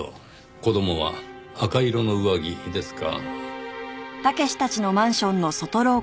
子供は赤色の上着ですか。